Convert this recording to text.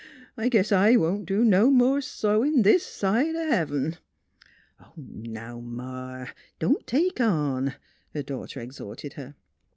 I guess I won't do no more sewin' this side o' heaven." " Now, Ma, don't take on! " her daughter ex horted her.